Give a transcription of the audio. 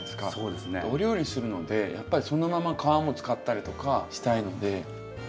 お料理するのでやっぱりそのまま皮も使ったりとかしたいので。